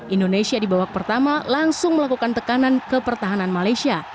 indonesia di babak pertama langsung melakukan tekanan ke pertahanan malaysia